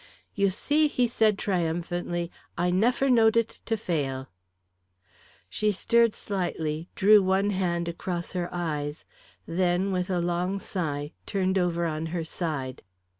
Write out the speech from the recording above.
"You see," he said triumphantly. "I nefer knowed it to fail." She stirred slightly, drew one hand across her eyes, then, with a long sigh, turned over on her side.